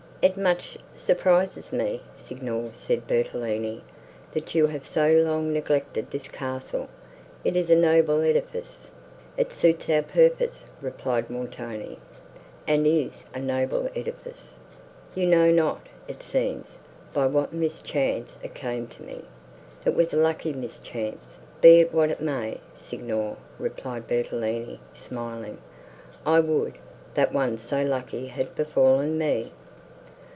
"It much surprises me, Signor," said Bertolini, "that you have so long neglected this castle; it is a noble edifice." "It suits our purpose," replied Montoni, "and is a noble edifice. You know not, it seems, by what mischance it came to me." "It was a lucky mischance, be it what it may, Signor," replied Bertolini, smiling. "I would, that one so lucky had befallen me."